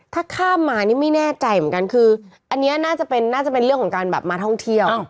ถ้าข้ามมานี่ไม่แน่ใจเหมือนกันคืออันนี้น่าจะเป็นน่าจะเป็นเรื่องของการแบบมาท่องเที่ยว